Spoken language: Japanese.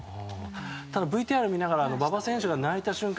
ただＶＴＲを見ながら馬場選手が泣いた瞬間